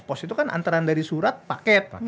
pos itu kan antara dari surat paket